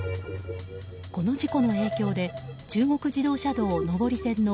この事故の影響で中国自動車道上り線の